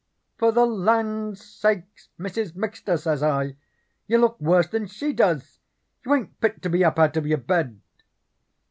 'For the land sakes, Mrs. Mixter,' says I, 'you look worse than she does. You ain't fit to be up out of your bed.'